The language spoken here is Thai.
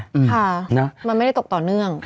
ค่ะนะมันไม่ได้ตกต่อเนื่อง